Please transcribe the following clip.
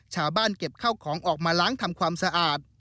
ชาวบ้านเก็บเข้าของออกมาล้างทำความสะอาด